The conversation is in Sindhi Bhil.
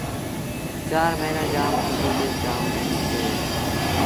چآر موهيݩآݩ جآم ڦٽي تي جآم مهنت ٿئي ديٚ